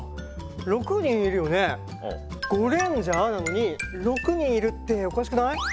ゴレンジャーなのに６にんいるっておかしくない？